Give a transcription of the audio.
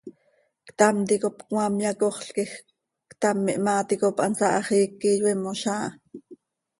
Ctam ticop cmaam yacoxl quij ctam ihmaa ticop hansaa hax iiqui iyoiimoz áa.